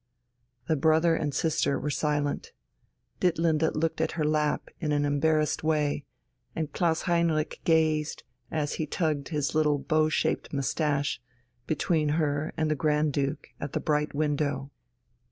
The brother and sister were silent. Ditlinde looked at her lap in an embarrassed way, and Klaus Heinrich gazed, as he tugged at his little bow shaped moustache, between her and the Grand Duke at the bright window.